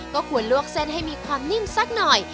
ก็ควรลวกเส้นให้มีความนิ่มสักหน่อย